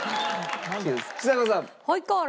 ちさ子さん。